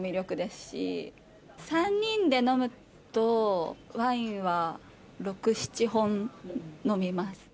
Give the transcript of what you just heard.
３人で飲むとワインは６７本飲みます。